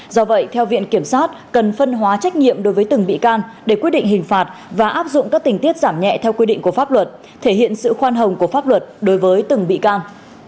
do vậy theo viện kiểm sát cần phân hóa trách nhiệm đối với từng bị can để quyết định hình phạt và áp dụng các tình tiết giảm nhẹ theo quy định của pháp luật thể hiện sự khoan hồng của pháp luật đối với từng bị can